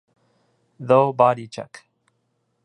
Though body check